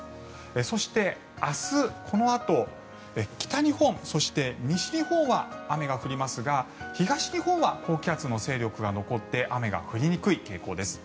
そして明日、このあと北日本、そして西日本は雨が降りますが東日本は高気圧の勢力が残って雨が降りにくい傾向です。